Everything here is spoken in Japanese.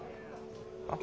あ？